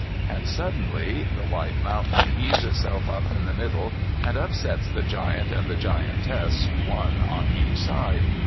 And suddenly the live mountain heaves itself up in the middle, and upsets the giant and the giantess one on each side.